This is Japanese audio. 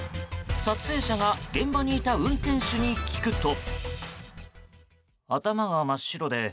撮影者が現場にいた運転手に聞くと。